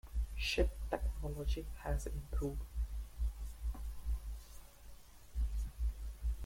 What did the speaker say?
Ship technology has improved.